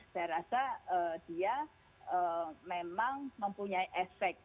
saya rasa dia memang mempunyai efek